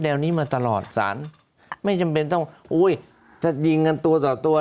นี้มาตลอดสารไม่จำเป็นต้องอุ้ยจะยิงกันตัวต่อตัว